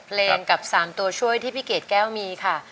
เพลงกับ๓ตัวช่วยที่พี่เกดแก้วมีค่ะ